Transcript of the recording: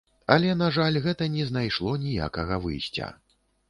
Але, на жаль, гэта не знайшло ніякага выйсця.